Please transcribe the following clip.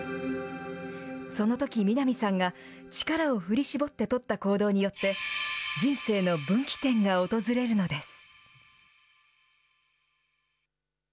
そのとき、南さんが力を振り絞って取った行動によって、人生の分岐点が訪れるのです。